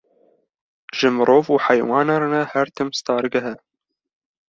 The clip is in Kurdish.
Ji mirov û heywanan re her tim stargeh e